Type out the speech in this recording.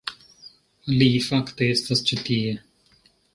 Li fakte estas ĉi tie